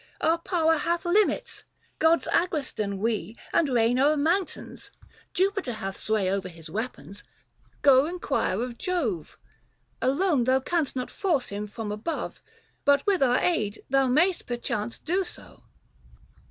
336 Our power hath limits ; gods agrestan we And reign o'er mountains ; Jupiter hath sway Over his weapons — go enquire of Jove. Alone thou canst not force him from above, But with our aid thou may'st perchance do so